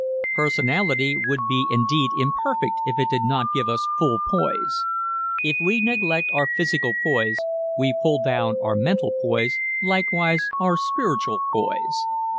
Personality would be indeed imperfect if it did not give us full poise. If we neglect our physical poise we pull down our mental poise, likewise our spiritual poise.